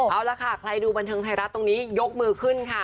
เอาละค่ะใครดูบันเทิงไทยรัฐตรงนี้ยกมือขึ้นค่ะ